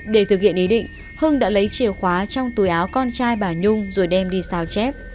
để thực hiện ý định hưng đã lấy chìa khóa trong túi áo con trai bà nhung rồi đem đi sao chép